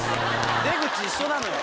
出口一緒なのよ。